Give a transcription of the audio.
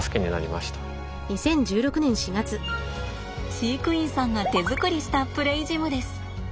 飼育員さんが手作りしたプレイジムです。